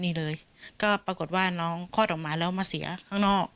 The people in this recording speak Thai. นี่เลยก็ปรากฏว่าน้องคลอดออกมาแล้วมาเสียข้างนอก